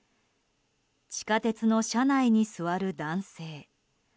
地下鉄の車内に座る男性。